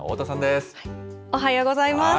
おはようございます。